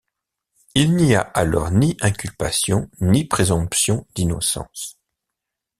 Il n'y a alors ni inculpation, ni présomption d'innocence.